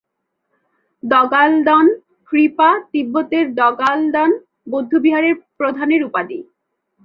দ্গা'-ল্দান-খ্রি-পা তিব্বতের দ্গা'-ল্দান বৌদ্ধবিহারের প্রধানের উপাধি।